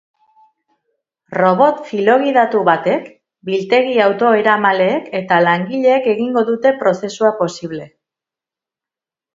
Robot filogidatu batek, biltegi autoeramaleek eta langileek egingo dute prozesua posible.